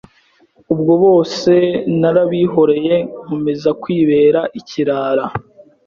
Ubwo bose narabihoreye nkomeza kwibera ikirara